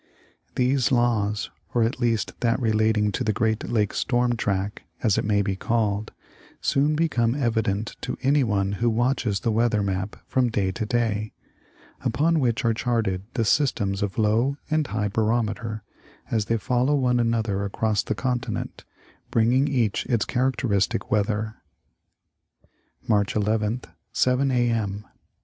These laws, or at least that relating to the Great Lake storm track, as it may be called, soon become evident to anyone who watches the "weather map from day to day, upon which are charted the systems of low and high barometer as they follow one another across the contment, bringing each its charac teristic weather. March 11th, 7 A. M.